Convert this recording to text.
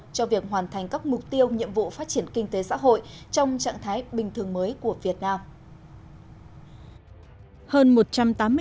cho việc hoàn thành các mục tiêu nhiệm vụ phát triển kinh tế xã hội trong trạng thái bình thường mới của việt nam